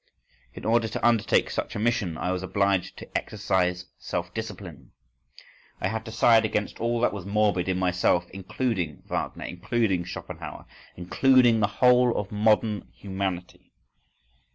… In order to undertake such a mission I was obliged to exercise self discipline:—I had to side against all that was morbid in myself including Wagner, including Schopenhauer, including the whole of modern humanity.